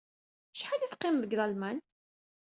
Acḥal ay teqqimeḍ deg Lalman?